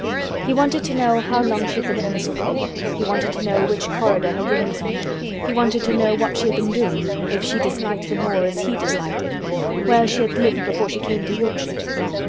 He wanted to know how long she had been at Misselthwaite; he wanted to know which corridor her room was on; he wanted to know what she had been doing; if she disliked the moor as he disliked it; where she had lived before she came to Yorkshire.